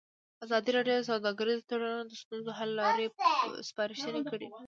ازادي راډیو د سوداګریز تړونونه د ستونزو حل لارې سپارښتنې کړي.